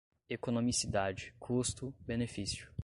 economicidade, custo, benefício